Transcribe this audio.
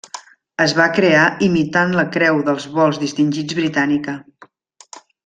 Es va crear imitant la Creu dels Vols Distingits britànica.